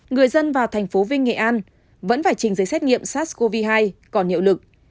người dân và thành phố vinh nghệ an vẫn phải trình giấy xét nghiệm sars cov hai còn hiệu lực